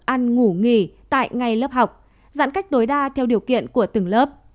ăn ngủ nghỉ tại ngay lớp học giãn cách tối đa theo điều kiện của từng lớp